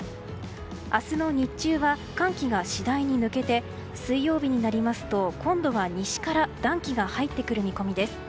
明日の日中は寒気が次第に抜けて水曜日になりますと今度は西から暖気が入ってくる見込みです。